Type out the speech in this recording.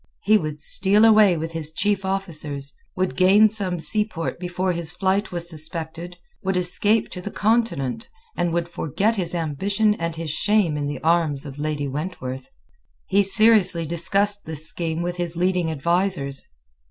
He would steal away with his chief officers, would gain some seaport before his flight was suspected, would escape to the Continent, and would forget his ambition and his shame in the arms of Lady Wentworth. He seriously discussed this scheme with his leading advisers.